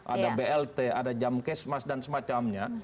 ada blt ada jam kesmas dan semacamnya